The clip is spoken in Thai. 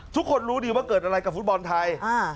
ทุกคนรู้ดีว่าเกิดอะไรกับฟุตบอลไทย